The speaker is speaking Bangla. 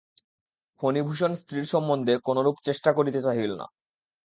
ফণিভূষণ স্ত্রীর সম্বন্ধে কোনোরূপ চেষ্টা করিতে চাহিল না।